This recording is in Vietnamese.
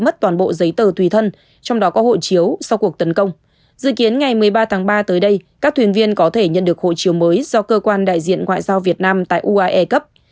một mươi ba tháng ba tới đây các thuyền viên có thể nhận được hộ chiếu mới do cơ quan đại diện ngoại giao việt nam tại uae cấp